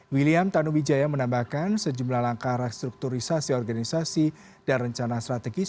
william tanuwijaya menambahkan sejumlah langkah restrukturisasi organisasi dan rencana strategis